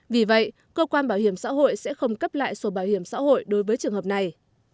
vì vậy cơ quan bảo hiểm xã hội sẽ không cấp lại sổ bảo hiểm xã hội đối với trường hợp này